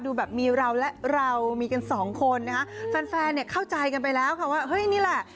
ดูแบบมีเราและเรามีกันสองคนนะคะแฟนแฟนเนี่ยเข้าใจกันไปแล้วค่ะว่าเฮ้ยนี่แหละ